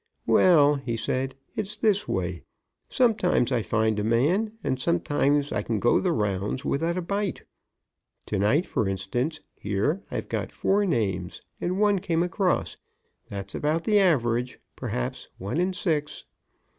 "Well," he said, "it's this way: sometimes I find a man, and sometimes I can go the rounds without a bite. To night, for instance, here I've got four names and one came across. That's about the average perhaps one in six."